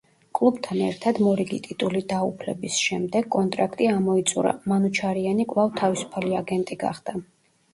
კლუბთან ერთად მორიგი ტიტული დაუფლების შემდეგ კონტრაქტი ამოიწურა, მანუჩარიანი კვლავ თავისუფალი აგენტი გახდა.